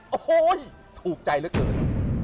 โอ้โหถูกใจเหลือเกิน